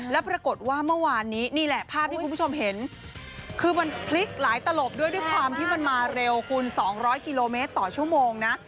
แล้วปรากฏว่าเมื่อวานนี้นี่แหละภาพที่คุณผู้ชมเห็นคือมันพลิกหลายตลบด้วยด้วยความที่มันมาเร็วคุณ๒๐๐กิโลเมตรต่อชั่วโมงนะ